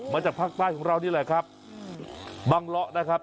มาจากภาคใต้ของเรานี่แหละครับบังเลาะนะครับ